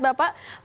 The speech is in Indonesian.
salam sehat bapak